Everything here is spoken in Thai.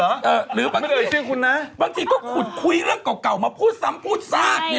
ไม่ได้ว่าชื่อคุณแนะบางทีก็คุยเรื่องเก่าเก่ามาพูดซ้ำพูดซากเนี่ย